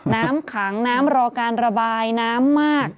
น้ำขังน้ำรอการระบายน้ำมาก